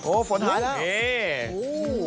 โอ้ฝนหายแล้ว